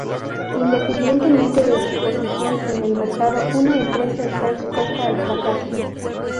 Independientemente de su posición en el mercado, una empresa está expuesta al fracaso.